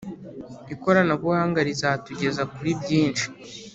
ikoranabuhanga rizatugeza kuri byinshi